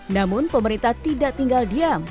namun pemerintah tidak tinggal diam